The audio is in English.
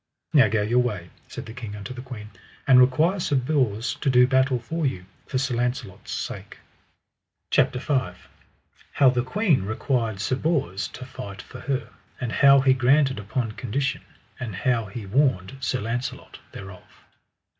Now go your way, said the king unto the queen, and require Sir Bors to do battle for you for Sir Launcelot's sake. CHAPTER V. How the queen required Sir Bors to fight for her, and how he granted upon condition; and how he warned Sir Launcelot thereof.